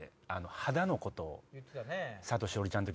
肌のことを。